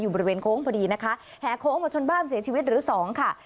บริเวณโค้งพอดีนะคะแห่โค้งมาชนบ้านเสียชีวิตหรือสองค่ะ